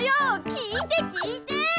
きいてきいて！